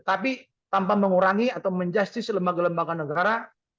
tapi tanpa mengurangi atau menjustice lembaga lembaga negara